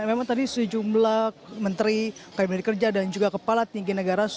memang tadi sejumlah menteri kabinet kerja dan juga kepala tinggi negara